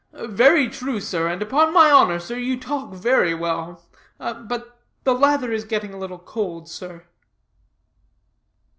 "Very true, sir; and upon my honor, sir, you talk very well. But the lather is getting a little cold, sir."